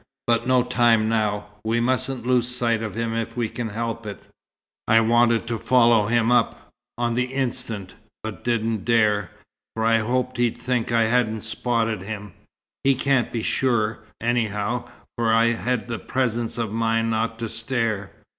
But no time now. We mustn't lose sight of him if we can help it. I wanted to follow him up, on the instant, but didn't dare, for I hoped he'd think I hadn't spotted him. He can't be sure, anyhow, for I had the presence of mind not to stare.